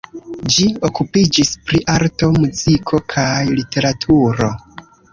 Ĝi okupiĝis pri arto, muziko kaj literaturo.